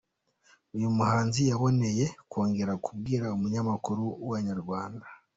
Uyu muhanzi yaboneyeho kongera kubwira umunyamakuru wa Inyarwanda.